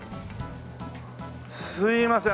すいません